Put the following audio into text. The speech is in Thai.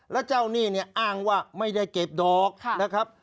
แล้วเจ้าหนี้เนี่ยอ้างว่าไม่ได้เก็บดอกนะครับ